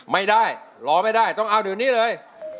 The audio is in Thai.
ไม่ได้รอไม่ได้ต้องเอาเดี๋ยวนี้เลย